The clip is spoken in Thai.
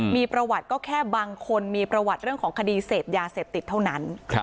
มีประวัติก็แค่บางคนมีประวัติเรื่องของคดีเสพยาเสพติดเท่านั้น